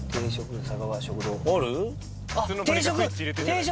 「定食」。